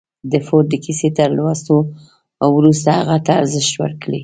د فورډ د کيسې تر لوستو وروسته هغې ته ارزښت ورکړئ.